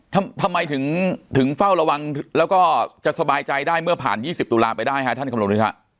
ทำไมถึงถึงเฝ้าระวังแล้วก็จะสบายใจได้เมื่อผ่าน๒๐ตุลาไปได้ฮะท่านคำนวณฤทธิฮะ